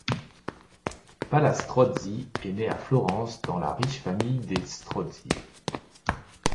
Palla Strozzi est né à Florence dans la riche famille des Strozzi.